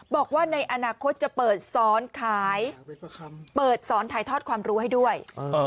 บอกว่าในอนาคตจะเปิดซ้อนถ่ายทอดความรู้ให้ด้วย